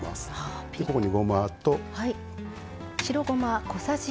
ここに、ごま。